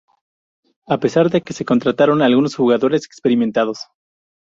A pesar de que se contrataron algunos jugadores experimentados.